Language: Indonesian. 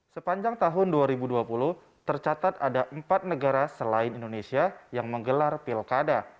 sepanjang tahun dua ribu dua puluh tercatat ada empat negara selain indonesia yang menggelar pilkada